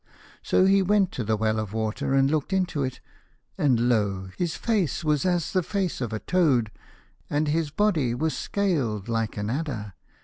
So he went to the well of water and looked into it, and lo ! his face was as the face of a toad, and his body was scaled like an adder.